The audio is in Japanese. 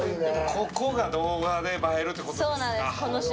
ここが動画で映えるってことですか？